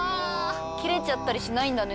切れちゃったりしないんだね。